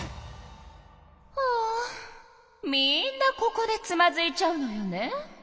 ああみんなここでつまずいちゃうのよね。